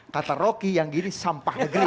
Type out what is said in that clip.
kata rocky yang gini sampah negeri